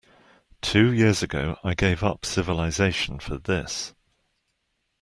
Two years ago I gave up civilization for this.